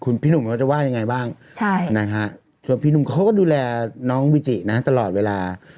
คุณพี่หนุ่มเขาจะว่ายังไงบ้างส่วนพี่หนุ่มเขาก็ดูแลน้องวิจินะตลอดเวลา